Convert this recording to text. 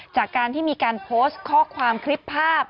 จากการที่มีการโพสต์ข้อความคลิปภาพ